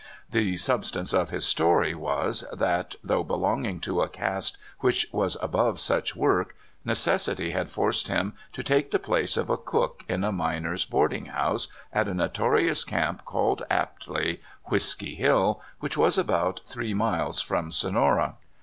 The substance of his story was, that, though belonging to a caste which was above such work, necessity had forced him to take the place of a cook in a miners' board ing house at a notorious camp called aptly Whisky Hill, which was about three miles from Sonora.